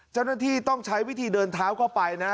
เจ้าหน้าที่ต้องใช้วิธีเดินเท้าเข้าไปนะ